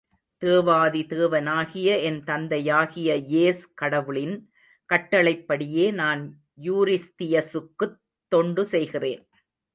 தேவாதி தேவனாகிய என் தந்தையாகிய யேஸ் கடவுளின் கட்டளைப்படியே நான் யூரிஸ்தியஸுக்குத் தொண்டு செய்கிறேன்.